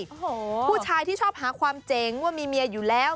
โอ้โหผู้ชายที่ชอบหาความเจ๋งว่ามีเมียอยู่แล้ว